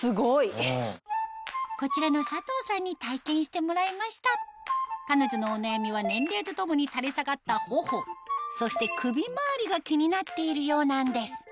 こちらの佐藤さんに体験してもらいました彼女のお悩みは年齢と共に垂れ下がった頬そして首回りが気になっているようなんです